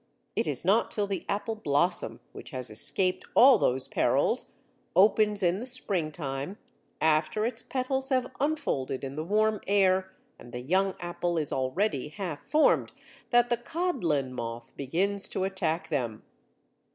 It is not till the apple blossom, which has escaped all those perils, opens in the spring time, after its petals have unfolded in the warm air and the young apple is already half formed, that the Codlin Moth begins to attack them.